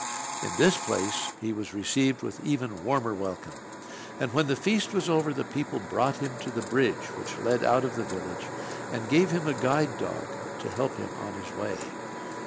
In this place he was received with even warmer welcome; and when the feast was over, the people brought him to the bridge which led out of the village, and gave him a guide dog to help him on his way.